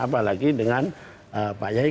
apalagi dengan pak kiai